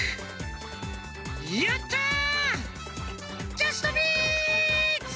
ジャストミート！